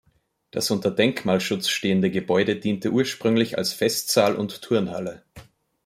Das unter Denkmalschutz stehende Gebäude diente ursprünglich als Festsaal und Turnhalle.